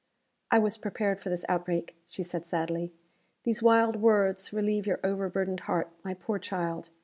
"I was prepared for this outbreak," she said, sadly. "These wild words relieve your over burdened heart, my poor child.